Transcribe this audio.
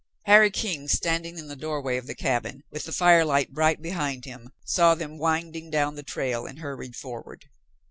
Harry King, standing in the doorway of the cabin, with the firelight bright behind him, saw them winding down the trail and hurried forward.